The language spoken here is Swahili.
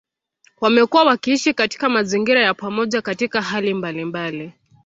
Wamekuwa wakiishi katika mazingira ya pamoja katika hali mbalimbali.